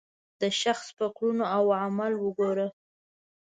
د شخص په کړنو او عمل وګوره.